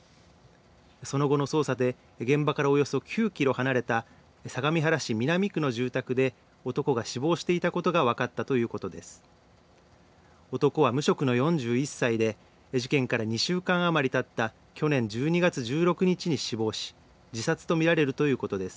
その後の捜査で現場からおよそ９キロ離れた相模原市南区の住宅で男が死亡していたことが分かったということです。